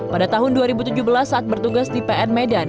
pada tahun dua ribu tujuh belas saat bertugas di pn medan